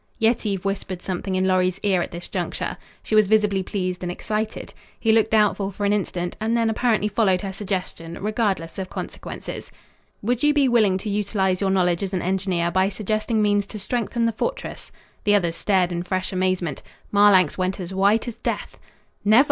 Yetive whispered something in Lorry's ear at this juncture. She was visibly pleased and excited. He looked doubtful for an instant, and then apparently followed her suggestion, regardless of consequences. "Would you be willing to utilize your knowledge as an engineer by suggesting means to strengthen the fortress?" The others stared in fresh amazement. Marlanx went as white as death. "Never!"